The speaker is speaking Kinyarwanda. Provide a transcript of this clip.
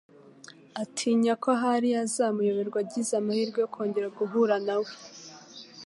Atinya ko ahari yazamuyoberwa agize amahirwe yo kongera guhura nawe.